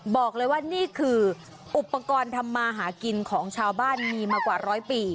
บอกเลยว่านี่คืออุปกรณ์ทำมาหากินของชาวบ้านมีมากว่าร้อยปี